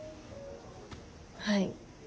はい。